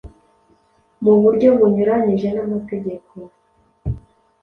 mu buryo bunyuranyije n'amategeko,